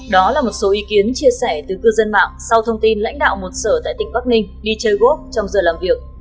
đó là một số ý kiến chia sẻ từ cư dân mạng sau thông tin lãnh đạo một sở tại tỉnh bắc ninh đi chơi gốc trong giờ làm việc